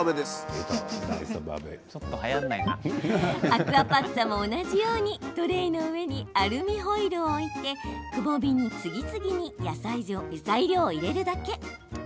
アクアパッツァも同じようにトレーの上にアルミホイルを置いてくぼみに次々に材料を入れるだけ。